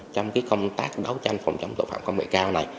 trong công tác đấu tranh phòng chống tội phạm công nghệ cao này